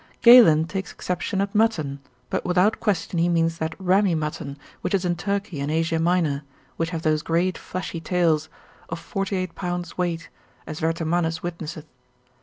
Galen takes exception at mutton, but without question he means that rammy mutton, which is in Turkey and Asia Minor, which have those great fleshy tails, of forty eight pounds weight, as Vertomannus witnesseth, navig.